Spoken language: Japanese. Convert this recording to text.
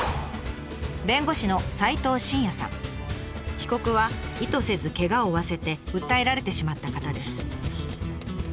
被告は意図せずけがを負わせて訴えられてしまった方です。